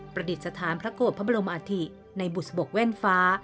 ประดิษฐานพระโกรธพระบรมอาธิในบุษบกแว่นฟ้า